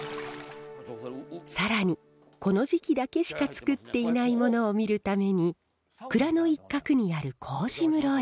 更にこの時期だけしかつくっていないものを見るために蔵の一角にある麹室へ。